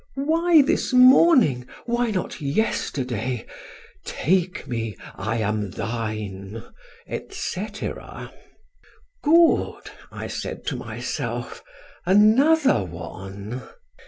Why this morning? Why not yesterday? Take me, I am thine, et cetera!' Good, I said to myself, another one!